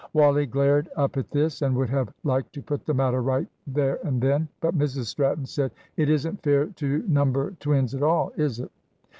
Wally glared up at this, and would have liked to put the matter right there and then, but Mrs Stratton said "It isn't fair to number twins at all, is it?"